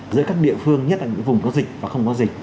giữa các địa phương nhất là những vùng có dịch và không có dịch